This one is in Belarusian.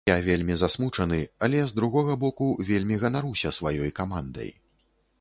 Я вельмі засмучаны, але, з другога боку, вельмі ганаруся сваёй камандай.